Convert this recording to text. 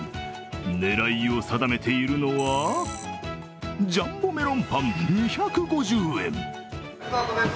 狙いを定めているのはジャンボメロンパン２５０円。